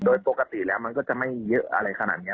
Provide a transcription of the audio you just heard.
โดยปกติแล้วมันก็จะไม่เยอะอะไรขนาดนี้